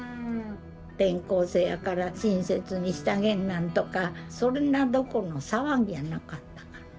転校生やから親切にしたげんなんとかそんなどころの騒ぎやなかったから。